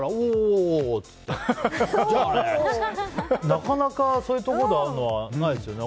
なかなかそういうところで会うのはないですよね。